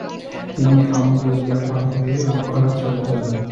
তিনি আমু দরিয়া পার হয়ে বুখারা চলে যান।